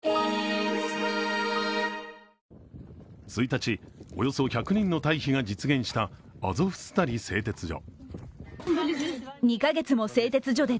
１日、およそ１００人の退避が実現したアゾフスタリ製鉄所。